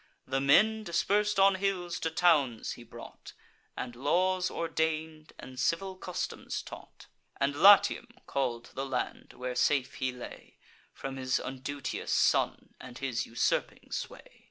The men, dispers'd on hills, to towns he brought, And laws ordain'd, and civil customs taught, And Latium call'd the land where safe he lay From his unduteous son, and his usurping sway.